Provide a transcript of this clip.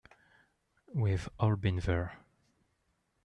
We've all been there.